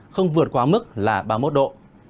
không vượt quá mức là ba mươi một độ